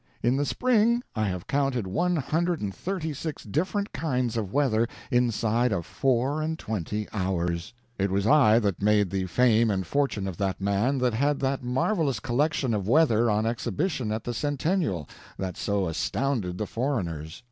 In the spring I have counted one hundred and thirty six different kinds of weather inside of four and twenty hours. It was I that made the fame and fortune of that man that had that marvelous collection of weather on exhibition at the Centennial, that so astounded the foreigners.